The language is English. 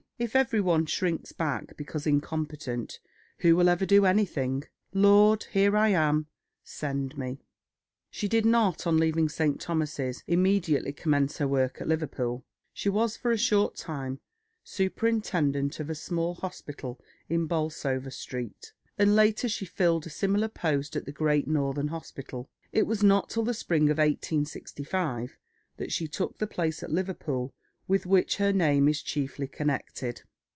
If every one shrinks back because incompetent, who will ever do anything? 'Lord, here am I; send me.'" She did not on leaving St. Thomas's immediately commence her work at Liverpool. She was for a short time superintendent of a small hospital in Bolsover Street, and later she filled a similar post at the Great Northern Hospital. It was not till the spring of 1865 that she took the place at Liverpool with which her name is chiefly connected.